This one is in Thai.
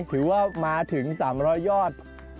ถือว่ามาถึงสามรอยยอด